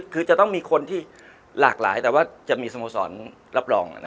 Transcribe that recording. คือจะต้องมีคนที่หลากหลายแต่ว่าจะมีสโมสรรับรอง